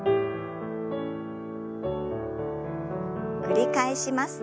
繰り返します。